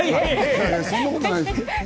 そんなことないですよ。